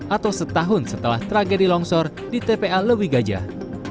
atau setahun setelah tragedi longsor di tpa lewi gajah